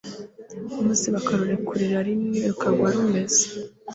maze bakarurekurira rimwe rukagwa rumeze